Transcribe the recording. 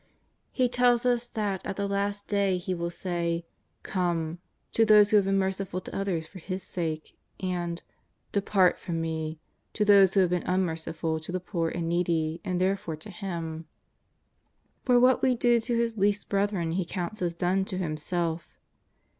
He tells us that at the Last Day He will say " Come " to those who have been merciful to others for His sake, and " Depart from Me " to those who have been unmerciful to the poor and needy, and therefore to Him. For what we do to His least brethren He counts as done to Himself.